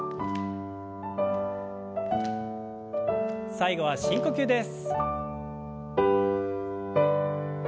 最後は深呼吸です。